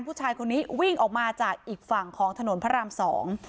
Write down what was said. ผู้ชายคนนี้วิ่งออกมาจากอีกฝั่งของถนนพระรามสอง